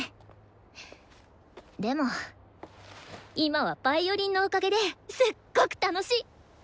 でも今はヴァイオリンのおかげですっごく楽しい。